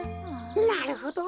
なるほど！